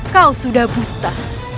kau sudah buta